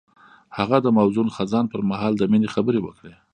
هغه د موزون خزان پر مهال د مینې خبرې وکړې.